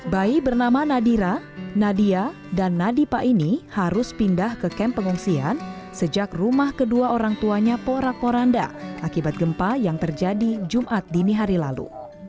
bayi bernama nadira nadia dan nadipa ini harus pindah ke kamp pengungsian sejak rumah kedua orang tuanya porak poranda akibat gempa yang terjadi jumat dini hari lalu